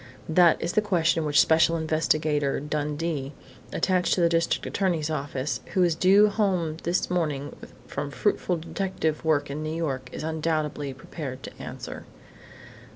That is the question which Special Investigator Dundee, attached to the district attorney's office, who is due home this morning from fruitful detective work in New York, is undoubtedly prepared to answer."